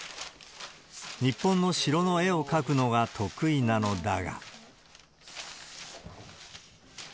日本の城の絵を描くのが得意なのだが。